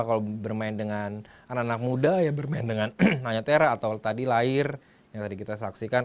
kalau bermain dengan anak anak muda ya bermain dengan nanya tera atau tadi lahir yang tadi kita saksikan